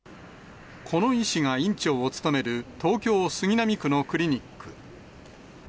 この医師が院長を務める、東京・杉並区のクリニック。